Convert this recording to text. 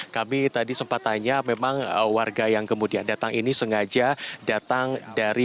kami tadi sempat tanya memang warga yang kemudian datang ini sengaja datang dari